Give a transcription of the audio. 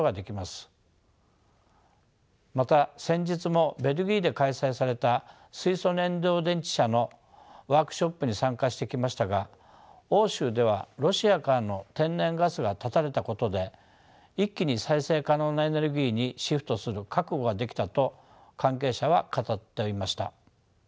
また先日もベルギーで開催された水素燃料電池車のワークショップに参加してきましたが欧州ではロシアからの天然ガスが断たれたことで一気に再生可能なエネルギーにシフトする覚悟ができたと関係者は語っていました。